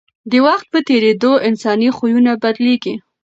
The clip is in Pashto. د وخت په تېرېدو انساني خویونه بدلېږي.